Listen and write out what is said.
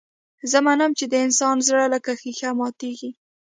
زه منم چې د انسان زړه لکه ښيښه ماتېږي.